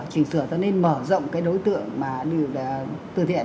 chỉnh sửa cho nên mở rộng cái đối tượng mà từ thiện